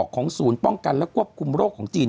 ของศูนย์ป้องกันและควบคุมโรคของจีน